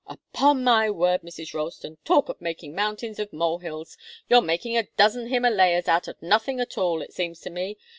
Upon my word, Mrs. Ralston! Talk of making mountains of mole hills! You're making a dozen Himalayas out of nothing at all, it seems to me.